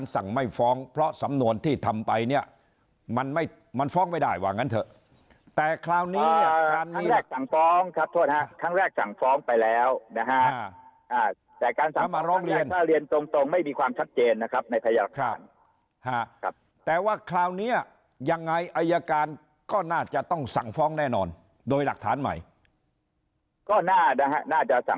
สั่งไม่ฟ้องเพราะสำนวนที่ทำไปเนี่ยมันไม่มันฟ้องไม่ได้ว่างั้นเถอะแต่คราวนี้การที่แรกสั่งฟ้องครับโทษฮะครั้งแรกสั่งฟ้องไปแล้วนะฮะแต่การสั่งมาร้องเรียนถ้าเรียนตรงตรงไม่มีความชัดเจนนะครับในพยาค่าครับแต่ว่าคราวนี้ยังไงอายการก็น่าจะต้องสั่งฟ้องแน่นอนโดยหลักฐานใหม่ก็น่านะฮะน่าจะสั่ง